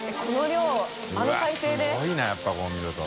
すごいなやっぱこう見ると。